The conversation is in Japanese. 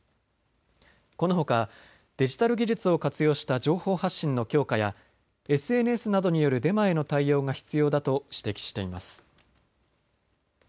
このほかデジタル技術を活用した情報発信の強化やＳＮＳなどによるデマへの対応が必要だと指摘しています。